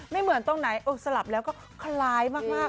ไม่เหมือนตรงไหนสลับแล้วก็คล้ายมาก